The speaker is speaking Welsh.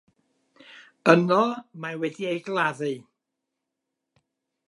Yno mae wedi ei gladdu.